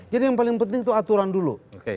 jadi yang paling penting itu aturan dulu